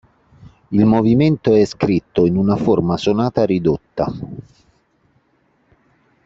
Il movimento è scritto in una forma-sonata ridotta.